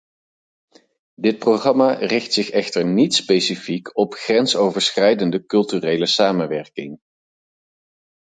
Dit programma richt zich echter niet specifiek op grensoverschrijdende culturele samenwerking.